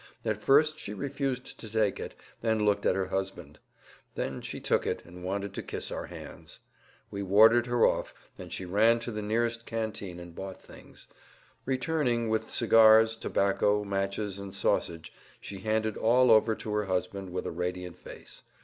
At first she refused to take it and looked at her husband. Then she took it and wanted to kiss our hands. We warded her off, and she ran to the nearest canteen and bought things. Returning with cigars, tobacco, matches, and sausage, she handed all over to her husband with a radiant face.